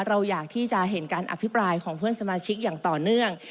เราอยากที่จะเห็นการอภิปรายของเพื่อนสมาชิกอย่างต่อเนื่อง